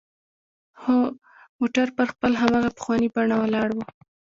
خو موټر پر خپل هماغه پخواني بڼه ولاړ و.